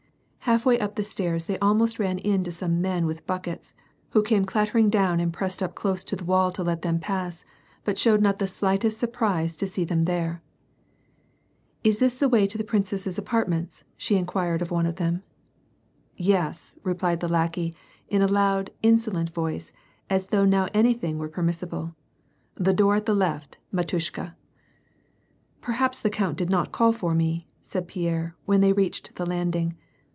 Half way up the stairs they almost ran into some men with buckets, who came clattering down and pressed up close to the wall to let them pass, but showed not the slightest sur prise to see them there. Is this the way to the princesses' apartments?" she in quired of one of them. "Yes," replied the lackey, in a loud, insolent voice, as though now anything were permissible. "The door at the left, flwtM^A/fea." "Perhaps the count did not call for me," said Pierre, when they reached the landing.